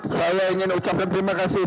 saya ingin ucapkan terima kasih